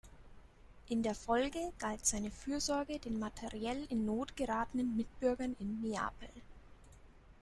In der Folge galt seine Fürsorge den materiell in Not geratenen Mitbürgern in Neapel.